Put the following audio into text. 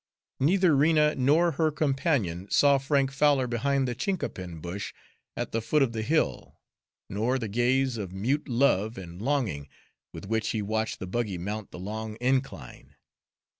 Neither Rena nor her companion saw Frank Fowler behind the chinquapin bush at the foot of the hill, nor the gaze of mute love and longing with which he watched the buggy mount the long incline.